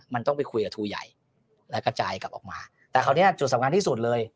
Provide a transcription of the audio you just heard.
มันต้องไปคุยกับทูใหญ่และกระจายกลับออกมาแต่คราวนี้จุดสำคัญที่สุดเลย